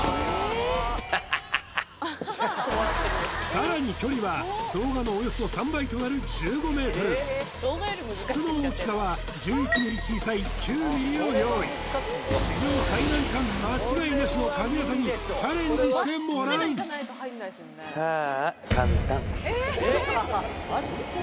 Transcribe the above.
さらに距離は動画のおよそ３倍となる１５ｍ筒の大きさは１１ｍｍ小さい９ｍｍを用意史上最難関間違いなしの神業にチャレンジしてもらうはあ